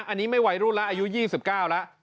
อันนี้ไม่วัยรุ่นแล้วอายุ๒๙แล้ว